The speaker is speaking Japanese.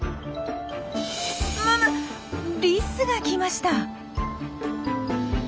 むむっリスが来ました。